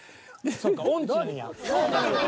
そうか音痴なんや。